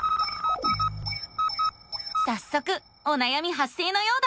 さっそくおなやみ発生のようだ。